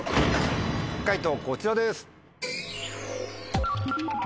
解答こちらです。